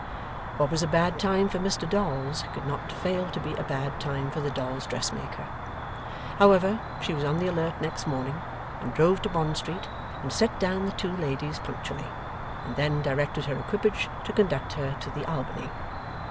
What was a bad time for Mr Dolls, could not fail to be a bad time for the dolls' dressmaker. However, she was on the alert next morning, and drove to Bond Street, and set down the two ladies punctually, and then directed her equipage to conduct her to the Albany.